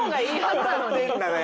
当たってるんだな。